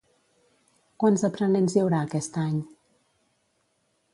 Quants aprenents hi haurà aquest any?